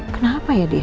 kenapa ya dia